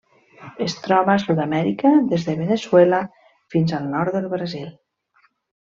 Es troba a Sud-amèrica: des de Veneçuela fins al nord del Brasil.